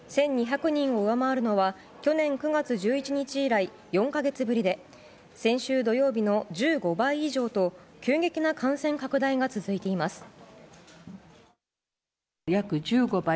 １２００人を上回るのは去年９月１１日以来４か月ぶりで先週土曜日の１５倍以上と急激な感染拡大が続いています。